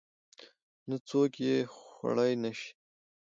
نه څوک يې خوړى نشي.